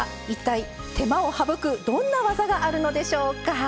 一体手間を省くどんな技があるのでしょうか。